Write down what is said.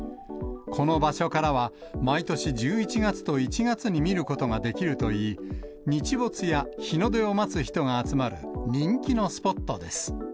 この場所からは、毎年１１月と１月に見ることができるといい、日没や日の出を待つ人が集まる、人気のスポットです。